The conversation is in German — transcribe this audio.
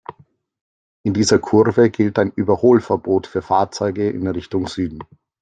In dieser Kurve gilt ein Überholverbot für Fahrzeuge in Richtung Süden.